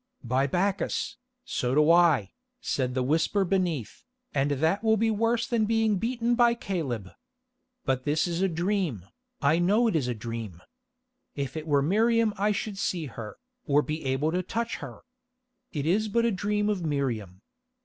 "By Bacchus, so do I," said the whisper beneath, "and that will be worse than being beaten by Caleb. But this is a dream, I know it is a dream. If it were Miriam I should see her, or be able to touch her. It is but a dream of Miriam.